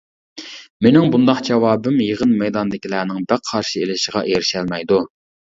مېنىڭ بۇنداق جاۋابىم يىغىن مەيدانىدىكىلەرنىڭ بەك قارشى ئېلىشىغا ئېرىشەلمەيدۇ.